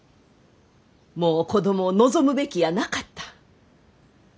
もう子供を望むべきやなかった。